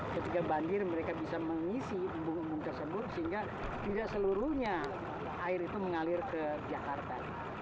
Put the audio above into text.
ketika banjir mereka bisa mengisi embung embung tersebut sehingga tidak seluruhnya air itu mengalir ke jakarta